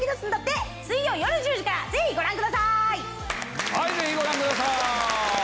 ぜひご覧ください！